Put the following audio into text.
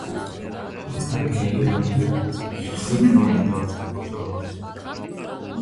Կալվածքներ գնելու և նվիրատվությունների շնորհիվ վանքը դարձել է խոշոր ավատատեր։